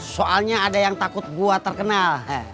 soalnya ada yang takut gua terkenal